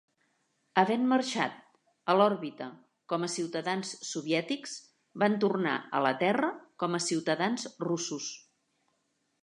Havent marxat a l'òrbita com a ciutadans soviètics, van tornar a la Terra com a ciutadans russos.